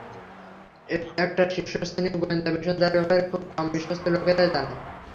একটা শীর্ষস্থানীয় গোয়েন্দা মিশন যার ব্যাপারে খুব কম বিশ্বস্ত লোকেরাই জানে।